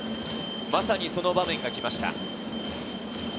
まさにその場面がきました。